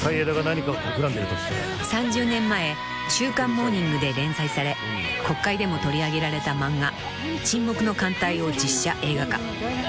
［３０年前週刊『モーニング』で連載され国会でも取り上げられた漫画『沈黙の艦隊』を実写映画化。